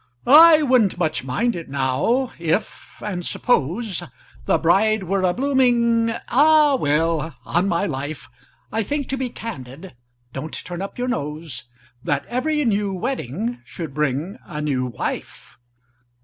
"I wouldn't much mind it, now—if—and suppose— The bride were a blooming—Ah! well—on my life, I think—to be candid—(don't turn up your nose!) That every new wedding should bring a new wife!"